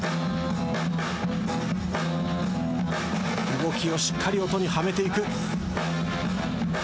動きをしっかり音にはめていく。